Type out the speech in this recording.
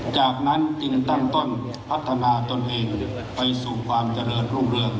ถือว่าชีวิตที่ผ่านมายังมีความเสียหายแก่ตนและผู้อื่น